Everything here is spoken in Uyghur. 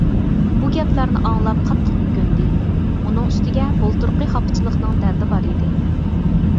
بۇ گەپلەرنى ئاڭلاپ قاتتىق ئۆكۈندى، ئۇنىڭ ئۈستىگە بۇلتۇرقى خاپىچىلىقنىڭ دەردى بار ئىدى.